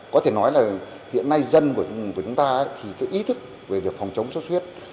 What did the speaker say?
có thể nói là hiện nay dân của chúng ta ý thức về việc phòng chống xuất huyết